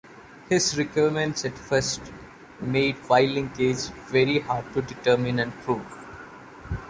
His requirements at first made Y-linkage very hard to determine and prove.